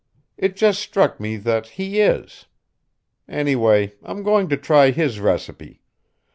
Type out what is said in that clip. It just struck me that he is. Anyway, I'm going to try his recipe.